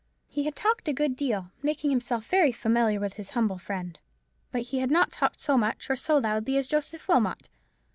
He had talked a good deal, making himself very familiar with his humble friend. But he had not talked so much or so loudly as Joseph Wilmot.